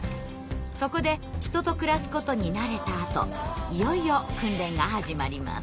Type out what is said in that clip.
そこで人と暮らすことに慣れたあといよいよ訓練が始まります。